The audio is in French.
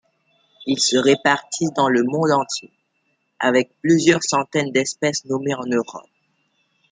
Ils se répartissent dans le monde entier, avec plusieurs centaines d'espèces nommées en Europe.